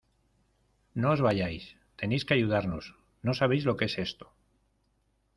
¡ No os vayáis! Tenéis que ayudarnos. no sabéis lo que es esto .